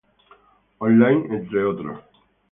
Online entre otros.